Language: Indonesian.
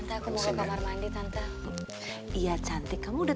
banyak banget makasih tante aku mau kamar mandi tante iya cantik kamu udah